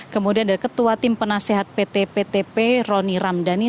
kemudian ada ketua tim penasehat pt ptp roni ramdhani